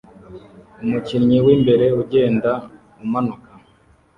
Umukinyi w'imbere ugenda umanuka